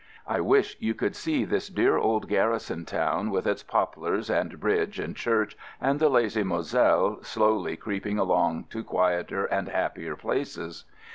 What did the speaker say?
I wish you could see this dear old garrison town with its poplars and bridge and church and the lazy Moselle slowly creeping along to quieter and happier places.